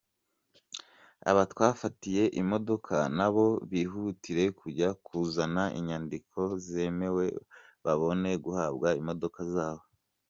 Aba twafatiye imodoka na bo bihutire kujya kuzana inyandiko zemewe babone guhabwa imodoka zabo.